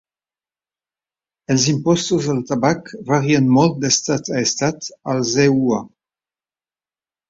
Els impostos al tabac varien molt d"estat a estat, als EUA.